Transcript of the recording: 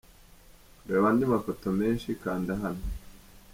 Kureba andi mafoto menshi kanda hano.